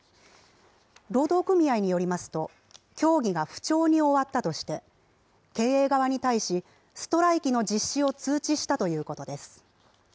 労働組合によりますと、協議が不調に終わったとして、経営側に対し、ストライキの実施を通知したということです。